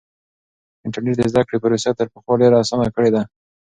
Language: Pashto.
انټرنیټ د زده کړې پروسه تر پخوا ډېره اسانه کړې ده.